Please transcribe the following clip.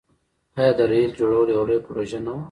آیا د ریل جوړول یوه لویه پروژه نه وه؟